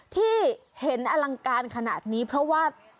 ที่เห็นอลังการขนาดนี้เพราะว่า